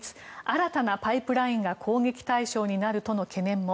新たなパイプラインが攻撃対象になるとの懸念も。